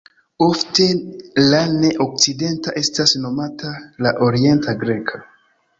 Ofte la ne-okcidenta estas nomata la Orienta Greka.